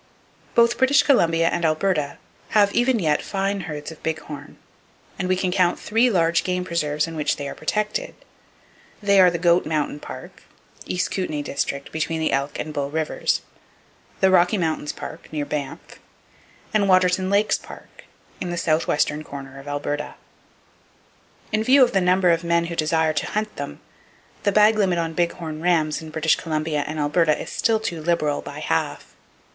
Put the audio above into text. Both British Columbia and Alberta have even yet fine herds of big horn, and we can count three large game preserves in which they are protected. They are Goat Mountain Park (East Kootenay district, between the Elk and Bull Rivers); the Rocky Mountains Park, near Banff, and Waterton Lakes Park, in the southwestern corner of Alberta. In view of the number of men who desire to hunt them, the bag limit on big horn rams in British Columbia and Alberta still is too liberal, by half.